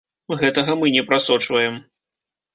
Гэтага мы не прасочваем.